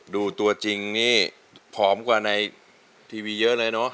ตัวจริงนี่ผอมกว่าในทีวีเยอะเลยเนอะ